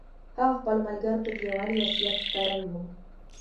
هغه خپلو ملګرو ته د یووالي وصیت کړی و.